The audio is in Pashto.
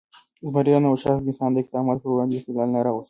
زمریانو او شارک د انسان د اقداماتو پر وړاندې اختلال نه راوست.